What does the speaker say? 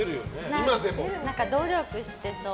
努力してそう。